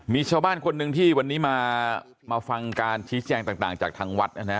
มีชาวบ้านคนหนึ่งที่วันนี้มาฟังการชี้แจงต่างจากทางวัดนะฮะ